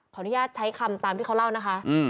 อนุญาตใช้คำตามที่เขาเล่านะคะ